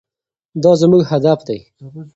دا زموږ هدف دی.